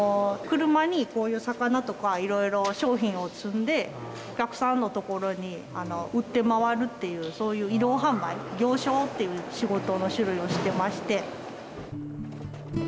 車にこういう魚とかいろいろ商品を積んでお客さんのところに売って回るっていうそういう移動販売行商っていう仕事の種類をしてまして。